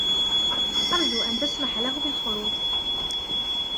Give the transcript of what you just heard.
أرجو أن تسمح له بالخروج.